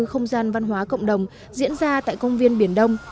không gian văn hóa cộng đồng diễn ra tại công viên biển đông